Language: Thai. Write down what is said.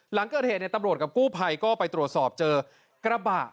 หลังเกิดเหตุตำรวจกับกู้ภัยก็ไปตรวจสอบเจอกระบะ